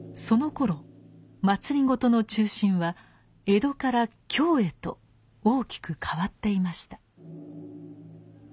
そのころ政の中心は江戸から京へと大きく変わっていました。